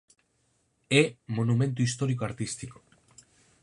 É Monumento Histórico Artístico.